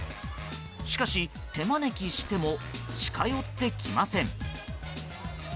しかし、手招きしても近寄ってきません。